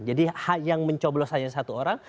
jadi yang mencoblos hanya satu orang